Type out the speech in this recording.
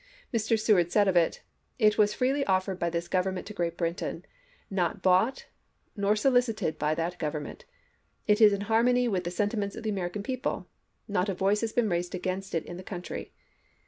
Mr. Seward said of it :" It was freely offered by this Government to Great Britain, not bought nor so licited by that Government. It is in harmony with mx. seward the sentiments of the American people. .. Not a Mr. Perry, voice has been raised against it in the country."